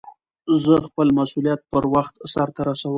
زه خپل مسئولیتونه پر وخت سرته رسوم.